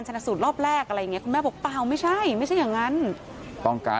ชนะสูตรรอบแรกอะไรอย่างเงี้คุณแม่บอกเปล่าไม่ใช่ไม่ใช่อย่างนั้นต้องการ